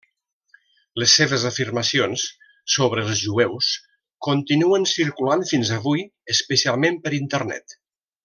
Les seves afirmacions sobre els jueus continuen circulant fins avui, especialment per Internet.